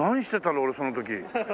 俺その時。